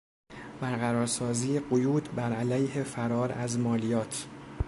برقرارسازی قیود بر علیه فرار از مالیات